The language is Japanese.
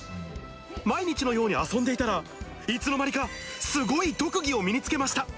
毎日のように遊んでいたら、いつの間にか、すごい特技を身につけました。